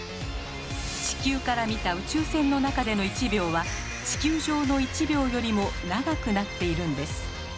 地球から見た宇宙船の中での１秒は地球上の１秒よりも長くなっているんです。